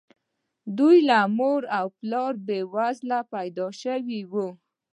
دوی له مور او پلاره بې وزله پيدا شوي وو.